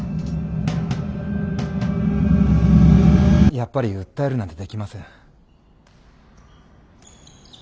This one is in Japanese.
やっぱり訴えるなんてできません。